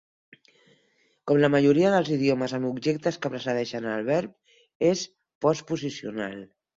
Com la majoria dels idiomes amb objectes que precedeixen el verb, és postposicional.